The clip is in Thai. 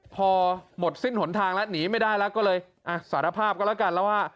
พอหมดสิ้นหนทางแล้วหนีไม่ได้แล้วก็เลยสารภาพก็แล้วกันแล้วว่า